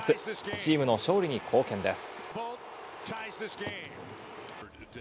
チームの勝利に貢献です。